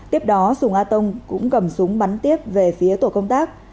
tiếp đó sùng a tông cũng cầm súng bắn tiếp về phía tổ công tác